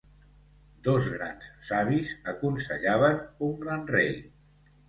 Dos grans savis aconsellaven un gran rei.